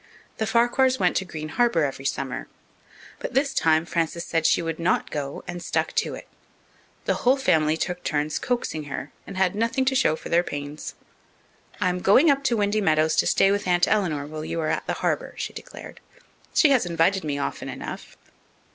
The Farquhars went to Green Harbour every summer. But this time Frances said she would not go, and stuck to it. The whole family took turns coaxing her and had nothing to show for their pains. "I'm going up to Windy Meadows to stay with Aunt Eleanor while you are at the Harbour," she declared. "She has invited me often enough."